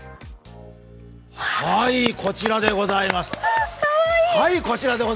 はい、こちらでございます。